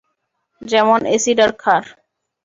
যেমন- এসিড আর ক্ষার!